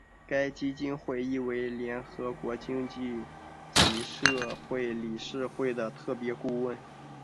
该基金会亦为联合国经济及社会理事会的特别顾问。